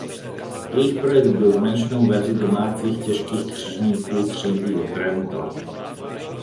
Jejich projekt byl zmenšenou verzí domácích těžkých křižníků třídy "Trento".